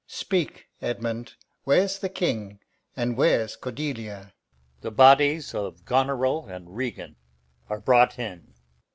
Speak, Edmund, where's the King? and where's Cordelia? The bodies of Goneril and Regan are brought in.